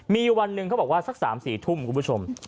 มีวันหนึ่งเขาบอกว่าสัก๓๔ทุ่มคุณผู้ชม